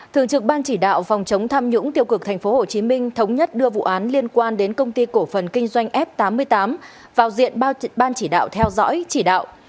thường trực ban chỉ đạo phòng chống tham nhũng tiêu cực tp hcm thống nhất đưa vụ án liên quan đến công ty cổ phần kinh doanh f tám mươi tám vào diện ban chỉ đạo theo dõi chỉ đạo